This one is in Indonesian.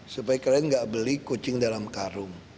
supaya kalian nggak beli kucing dalam karung